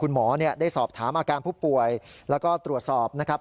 หมอได้สอบถามอาการผู้ป่วยแล้วก็ตรวจสอบนะครับ